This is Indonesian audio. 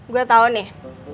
gue tau nih